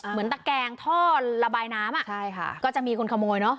ตะแกงท่อระบายน้ำอ่ะใช่ค่ะก็จะมีคนขโมยเนอะ